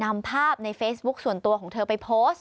นำภาพในเฟซบุ๊คส่วนตัวของเธอไปโพสต์